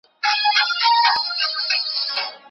چي دي راوړې کیسه ناښاده